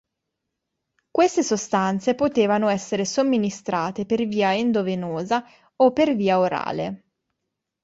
Queste sostanze potevano essere somministrate per via endovenosa o per via orale.